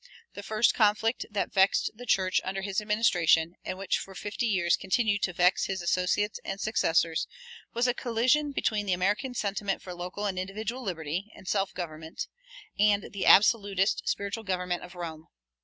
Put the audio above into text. The first conflict that vexed the church under his administration, and which for fifty years continued to vex his associates and successors, was a collision between the American sentiment for local and individual liberty and self government, and the absolutist spiritual government of Rome.